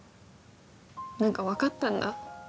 何か分かったんだ